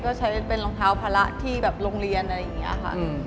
ก็ใช้เป็นรองเท้าภาระที่แบบโรงเรียนอะไรอย่างนี้ค่ะ